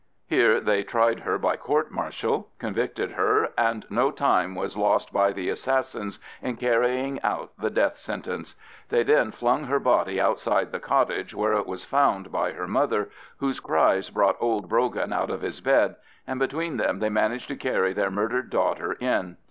Here they tried her by court martial, convicted her, and no time was lost by the assassins in carrying out the death sentence. They then flung her body outside the cottage, where it was found by her mother, whose cries brought old Brogan out of his bed, and between them they managed to carry their murdered daughter in.